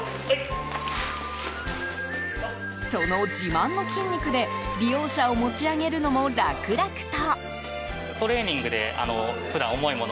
その自慢の筋肉で利用者を持ち上げるのも楽々と。